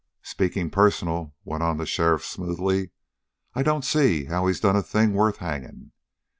"Speaking personal," went on the sheriff smoothly, "I don't see how he's done a thing worth hanging.